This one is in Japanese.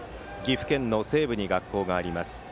岐阜県の西部に学校があります。